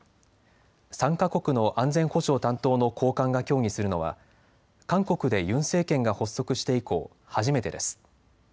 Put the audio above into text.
３か国の安全保障担当の高官が協議するのは韓国でユン政権が発足して以降、初めてです。